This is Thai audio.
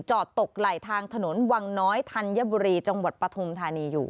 ตกไหลทางถนนวังน้อยธัญบุรีจังหวัดปฐุมธานีอยู่